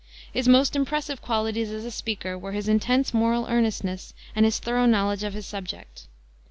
His most impressive qualities as a speaker were his intense moral earnestness and his thorough knowledge of his subject.